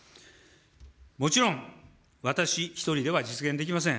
もちろん、私一人では実現できません。